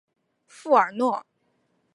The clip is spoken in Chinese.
富尔诺。